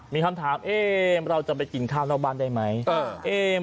มีคำถามเราจะไปกินข้าวนอกบ้านได้ไหม